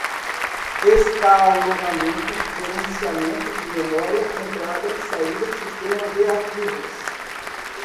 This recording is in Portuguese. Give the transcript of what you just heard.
escalonamento, gerenciamento de memória, entrada, saída, sistema de arquivos